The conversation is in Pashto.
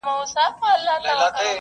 دا اټک اټک سيندونه ..